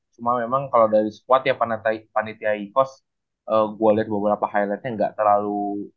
cuma memang kalau dari squad ya panettiaikos gua lihat beberapa highlightnya nggak terlalu